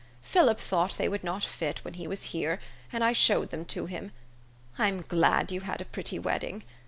Philip thought they would not fit, when he was here, and I showed them to him. I'm glad you had a pretty wedding.